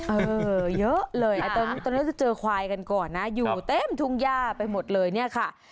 เออเยอะเลยตอนนั้นจะเจอควายกันก่อนนะอยู่เต็มทุ่งย่าไปหมดเลยเนี่ยค่ะ